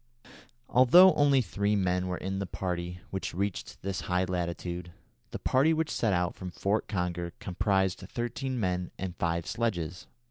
Although only three men were in the party which reached this high latitude, the party which set out from Fort Conger comprised thirteen men and five sledges.